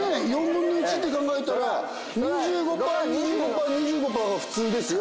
４分の１って考えたら２５％が普通ですよ。